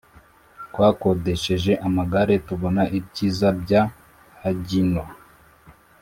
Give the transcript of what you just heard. twakodesheje amagare tubona ibyiza bya hagino.